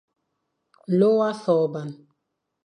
Nlô wa sôrba,